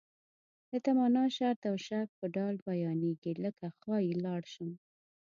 د تمنا، شرط او شک په ډول بیانیږي لکه ښایي لاړ شم.